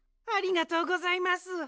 ありがとうございます。